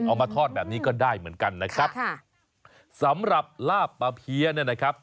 เอามาทอดแบบนี้ก็ได้เหมือนกันนะครับค่ะสำหรับลาบปลาเพี้ยเนี่ยนะครับ